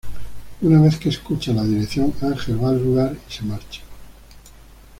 Una vez que escucha la dirección Ángel va al lugar y se marcha.